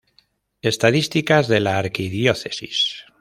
Estadísticas de la Arquidiócesis